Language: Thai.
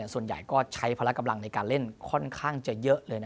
ส่วนใหญ่ก็ใช้พละกำลังในการเล่นค่อนข้างจะเยอะเลย